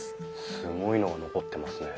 すごいのが残ってますね。